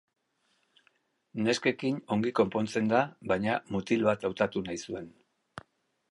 Neskekin ongi konpontzen da, baina mutil bat hautatu nahi zuen.